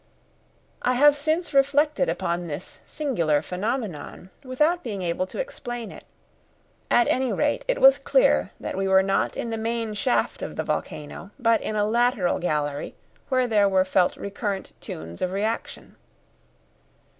I have since reflected upon this singular phenomenon without being able to explain it. At any rate it was clear that we were not in the main shaft of the volcano, but in a lateral gallery where there were felt recurrent tunes of reaction.